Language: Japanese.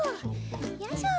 よいしょ。